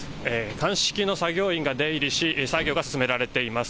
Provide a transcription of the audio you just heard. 鑑識の作業員が出入りし作業が進められています。